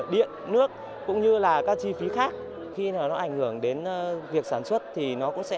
điện nước cũng như là các chi phí khác khi nó ảnh hưởng đến việc sản xuất thì nó cũng sẽ